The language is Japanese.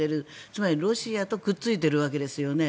つまり、ロシアとくっついているわけですよね。